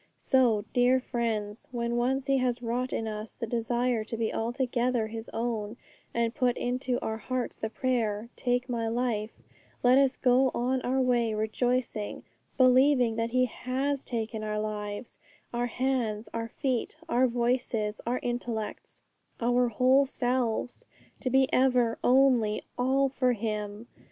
So, dear friends, when once He has wrought in us the desire to be altogether His own, and put into our hearts the prayer, 'Take my life,' let us go on our way rejoicing, believing that He has taken our lives, our hands, our feet, our voices, our intellects, our wills, our whole selves, to be ever, only, all for Him.